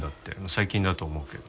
最近だと思うけど。